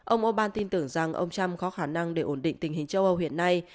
ông orbán tin tưởng rằng ông trump có khả năng để ổn định tình hình châu âu hiện nay